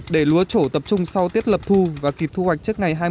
để lúa chỗ tập trung sau tiết lập thu và kịp thu hoạch trước ngày hai mươi tháng chín